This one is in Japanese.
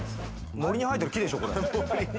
森に生えてる木でしょ。